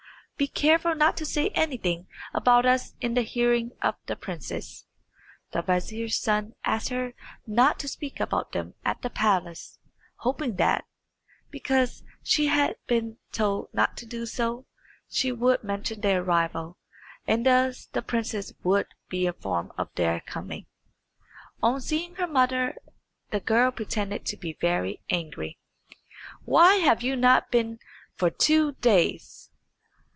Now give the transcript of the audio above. Be careful not to say anything about us in the hearing of the princess." The vizier's son asked her not to speak about them at the palace, hoping that, because she had been told not to do so, she would mention their arrival, and thus the princess would be informed of their coming. On seeing her mother the girl pretended to be very angry. "Why have you not been for two days?"